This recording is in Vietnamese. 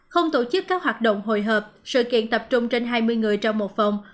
không tổ chức các hoạt động hội hợp sự kiện tập trung trên hai mươi người trong một phòng